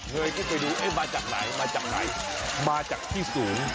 เฮ้ยกูไปดูมาจากไหนมาจากไหนมาจากที่สูง